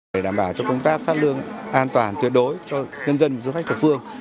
để đảm bảo cho công tác phát lương an toàn tuyệt đối cho nhân dân và du khách thực phương